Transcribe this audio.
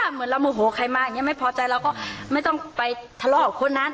เหมือนเราโมโหใครมาอย่างนี้ไม่พอใจเราก็ไม่ต้องไปทะเลาะกับคนนั้น